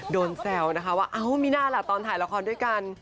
แซวนะคะว่าเอ้ามีน่าล่ะตอนถ่ายละครด้วยกัน